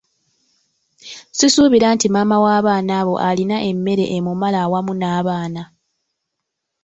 Sisuubira nti maama w'abaana abo alina emmere emumala awamu n'abaana.